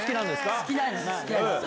好きなんです。